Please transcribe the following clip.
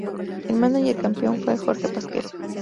El mánager campeón fue Jorge Pasquel.